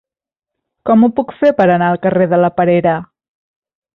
Com ho puc fer per anar al carrer de la Perera?